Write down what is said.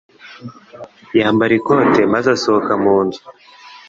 Yambara ikote maze asohoka mu nzu.